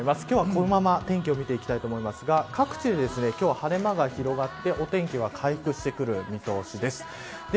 今日は、このまま天気を見ていきたいと思いますが各地で今日は晴れ間が広がってお天気が回復してくる見込みです。